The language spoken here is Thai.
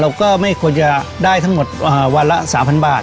ก็ไม่ควรจะได้ทั้งหมดวันละ๓๐๐บาท